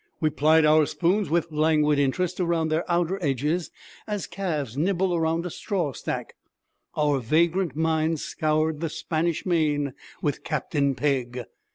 We plied our spoons with languid interest around their outer edges, as calves nibble around a straw stack. Our vagrant minds scoured the Spanish Main with Captain Pegg.